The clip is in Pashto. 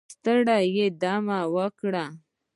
که ستړی یې دمه وکړه